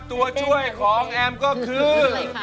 ตัวช่วยของแอมก็คือ